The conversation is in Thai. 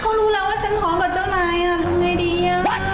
เขารู้แล้วว่าฉันของกับเจ้านายอ่ะทำอย่างไรดีอ่ะ